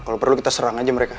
kalau perlu kita serang aja mereka